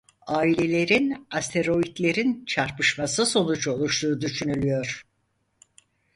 Ailelerin asteroitlerin çarpışması sonucu oluştuğu düşünülüyor.